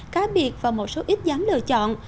cá biệt và một số ít dám lựa chọn